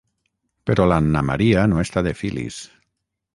Però l'Anna Maria no està de filis.